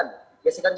terima kasih sekali